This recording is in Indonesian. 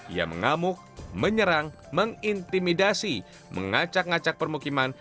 ia mengamuk menyerang mengintimidasi mengacak ngacak permukiman